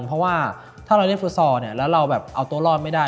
เพราะว่าถ้าเราเล่นฟุตซอลเนี่ยแล้วเราแบบเอาตัวรอดไม่ได้